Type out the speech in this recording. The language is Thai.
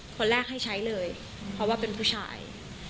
คนแรกให้ใช้เลยเพราะว่าเป็นผู้ชาย